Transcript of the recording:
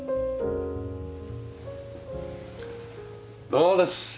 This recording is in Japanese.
どうです？